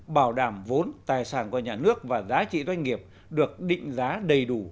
bảo đảm vốn tài sản của nhà nước và giá trị doanh nghiệp được định giá đầy đủ